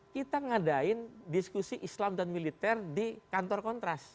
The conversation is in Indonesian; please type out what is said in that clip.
kita ngadain diskusi islam dan militer di kantor kontras